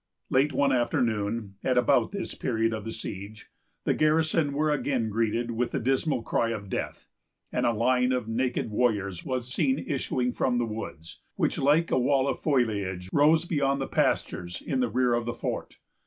Late one afternoon, at about this period of the siege, the garrison were again greeted with the dismal cry of death, and a line of naked warriors was seen issuing from the woods, which, like a wall of foliage, rose beyond the pastures in rear of the fort.